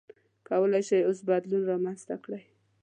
کولای شئ اوس بدلون رامنځته کړئ.